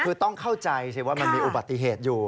คือต้องเข้าใจสิว่ามันมีอุบัติเหตุอยู่